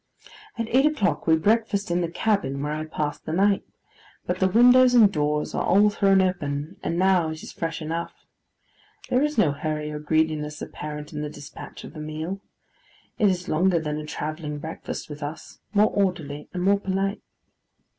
At eight o'clock, we breakfast in the cabin where I passed the night, but the windows and doors are all thrown open, and now it is fresh enough. There is no hurry or greediness apparent in the despatch of the meal. It is longer than a travelling breakfast with us; more orderly, and more polite.